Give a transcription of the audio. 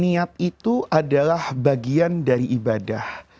niat itu adalah bagian dari ibadah